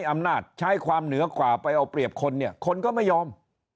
อำนาจใช้ความเหนือกว่าไปเอาเปรียบคนเนี่ยคนก็ไม่ยอม